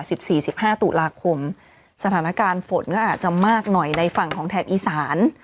สิบสี่สิบห้าตุลาคมสถานการณ์ฝนก็อาจจะมากหน่อยในฝั่งของแถบอีสาน